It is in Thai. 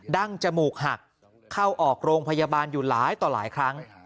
ั้งจมูกหักเข้าออกโรงพยาบาลอยู่หลายต่อหลายครั้ง